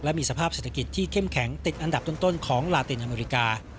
มีสภาพเศรษฐกิจที่เข้มแข็งติดอันดับต้นของลาตินอเมริกา